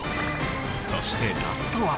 そしてラストは。